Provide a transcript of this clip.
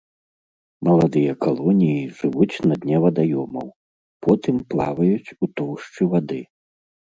Маладыя калоніі жывуць на дне вадаёмаў, потым плаваюць у тоўшчы вады.